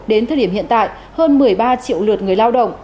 đến thời điểm hiện tại hơn một mươi ba triệu lượt người lao động